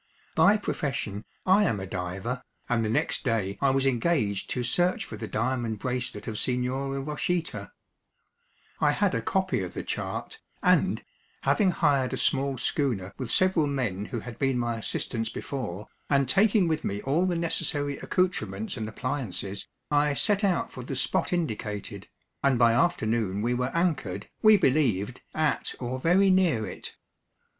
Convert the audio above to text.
By profession I am a diver, and the next day I was engaged to search for the diamond bracelet of Signora Rochita. I had a copy of the chart, and, having hired a small schooner with several men who had been my assistants before, and taking with me all the necessary accouterments and appliances, I set out for the spot indicated, and by afternoon we were anchored, we believed, at or very near it.